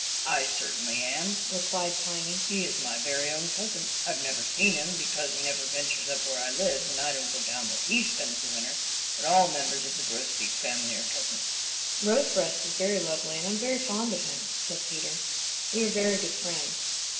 "I certainly am," replied Piny. "He is my very own cousin. I've never seen him because he never ventures up where I live and I don't go down where he spends the winter, but all members of the Grosbeak family are cousins." "Rosebreast is very lovely and I'm very fond of him," said Peter. "We are very good friends."